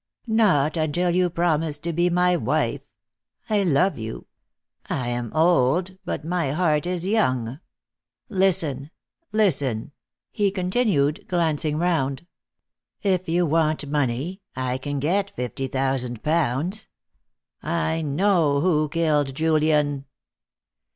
"Not until you promise to be my wife. I love you. I am old, but my heart is young. Listen, listen!" he continued, glancing round. "If you want money, I can get fifty thousand pounds. I know who killed Julian!"